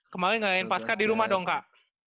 kemarin ngelayain pascah di rumah dong kak